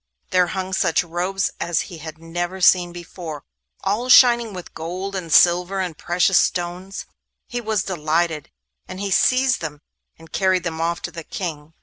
there hung such robes as he had never seen before, all shining with gold and silver and precious stones. He was delighted, and he seized them and carried them off to the King.